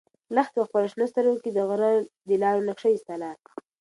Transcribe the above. لښتې په خپلو شنه سترګو کې د غره د لارو نقشه ایستله.